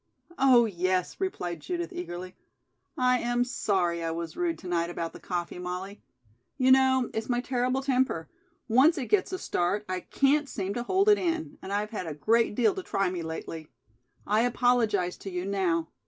"Oh, yes," replied Judith eagerly. "I am sorry I was rude to night about the coffee, Molly. You know it's my terrible temper. Once it gets a start, I can't seem to hold it in, and I've had a great deal to try me lately. I apologize to you now.